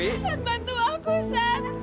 sat bantu aku sat